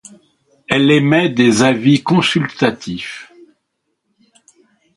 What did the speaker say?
Elle émet des avis consultatifs.